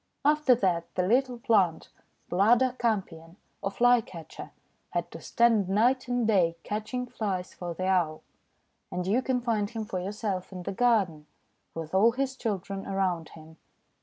After that the little plant, Bladder Campion — or Fly Catcher — had to stand night and day catching Flies for the Owl. And you can find him for yourself in the garden, with all his children around him.